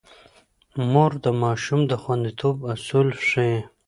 مور د ماشوم د خونديتوب اصول ښيي.